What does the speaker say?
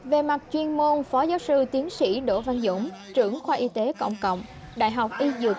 về mặt chuyên môn phó giáo sư tiến sĩ đỗ văn dũng trưởng khoa y tế cộng cộng đại học y dược